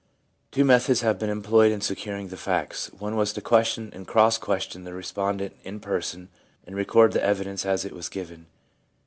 Two methods have been employed in securing the facts : one was to question and cross question the respondent in person and record the evidence as it was given.